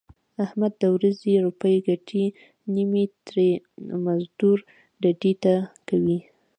احمد د ورځې روپۍ ګټي نیمې ترې مزدور ډډې ته کوي.